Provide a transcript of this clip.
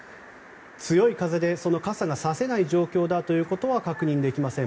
強い風で傘がさせない状況だというのは確認できません。